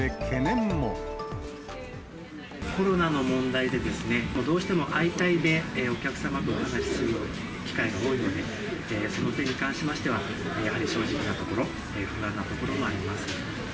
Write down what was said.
コロナの問題でですね、どうしても相対でお客様と接する機会が多いので、その点に関しましては、やはり正直なところ、不安なところもあります。